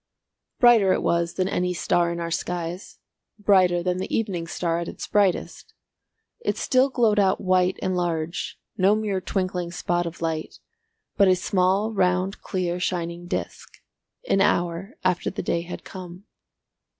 Brighter it was than any star in our skies; brighter than the evening star at its brightest. It still glowed out white and large, no mere twinkling spot of light, but a small round clear shining disc, an hour after the day had come.